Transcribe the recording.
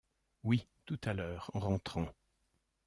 Oui, tout à l’heure, en rentrant...